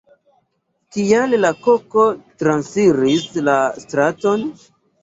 Kial la koko transiris la straton?